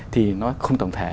thì nó không tổng thể